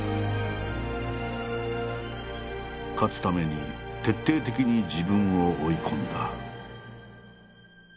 勝つために徹底的に自分を追い込んだ。